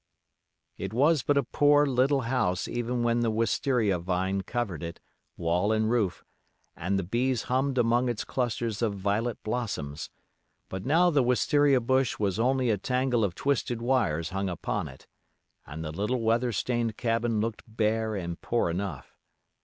It was but a poor, little house even when the wistaria vine covered it, wall and roof, and the bees hummed among its clusters of violet blossoms; but now the wistaria bush was only a tangle of twisted wires hung upon it, and the little weather stained cabin looked bare and poor enough.